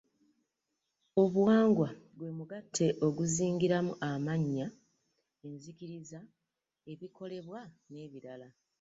Obuwangwa gwe mugatte oguzingiramu amannya, enzikiriza, ebikolebwa n'ebirala.